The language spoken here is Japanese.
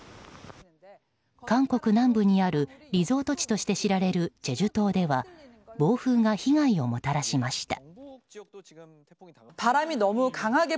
韓国南部にあるリゾート地として知られるチェジュ島では暴風が被害をもたらしました。